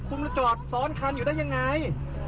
คุณมาจอดซ้อนคันอยู่ได้ยังไง